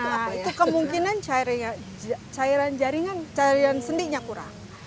nah itu kemungkinan cairan jaringan cairan sendinya kurang